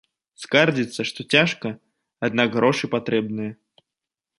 Скардзіцца, што цяжка, аднак грошы патрэбныя.